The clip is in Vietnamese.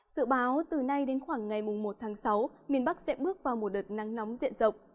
sự báo từ nay đến khoảng ngày một tháng sáu miền bắc sẽ bước vào một đợt nắng nóng diện rộng